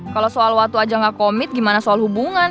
kalo soal watu aja gak komit gimana soal hubungan